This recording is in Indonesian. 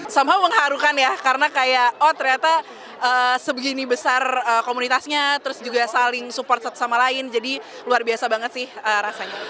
somehow mengharukan ya karena kayak oh ternyata sebegini besar komunitasnya terus juga saling support satu sama lain jadi luar biasa banget sih rasanya